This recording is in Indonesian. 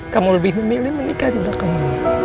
kamu lebih memilih menikah dengan kamu